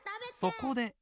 そこで。